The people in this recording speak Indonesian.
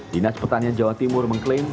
dinas pertanian jawa timur mengklaim